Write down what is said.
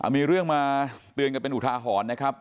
มีเรื่องมาเตือนกันเป็นอุทาหรณ์นะครับ